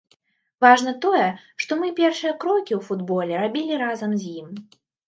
Важна тое, што мы першыя крокі ў футболе рабілі разам з ім.